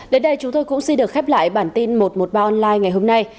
đến đây chúng tôi cũng xin được khép lại bản tin một trăm một mươi ba online ngày hôm nay